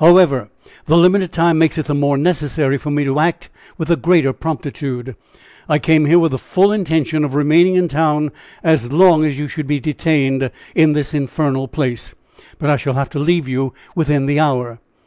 However, the limited time makes it the more necessary for me to act with the greater promptitude. I came here with the full intention of remaining in town as long as you should be detained in this infernal place, but I shall have to leave you within the hour."